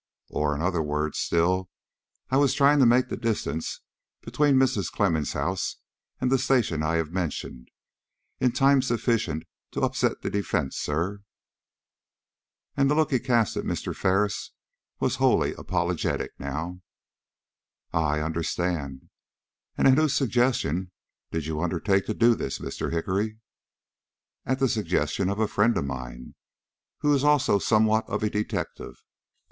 "Or, in other words still, I was trying to make the distance between Mrs. Clemmens' house and the station I have mentioned, in time sufficient to upset the defence, sir." And the look he cast at Mr. Ferris was wholly apologetic now. "Ah, I understand, and at whose suggestion did you undertake to do this, Mr. Hickory?" "At the suggestion of a friend of mine, who is also somewhat of a detective."